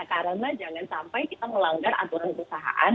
karena jangan sampai kita melanggar aturan perusahaan